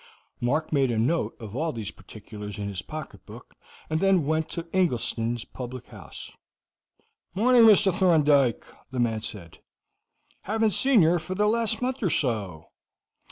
Mark made a note of all these particulars in his pocketbook, and then went to Ingleston's public house. "Morning, Mr. Thorndyke," the man said; "haven't seen yer for the last month or so."